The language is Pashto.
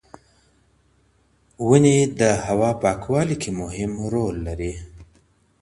ونې د هوا پاکوالي کې مهم رول لري.